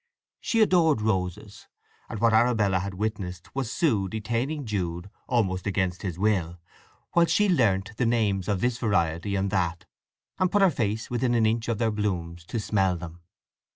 She adored roses, and what Arabella had witnessed was Sue detaining Jude almost against his will while she learnt the names of this variety and that, and put her face within an inch of their blooms to smell them.